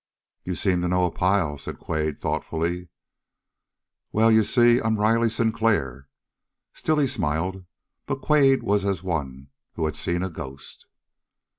"You seem to know a pile," said Quade thoughtfully. "Well, you see, I'm Riley Sinclair." Still he smiled, but Quade was as one who had seen a ghost.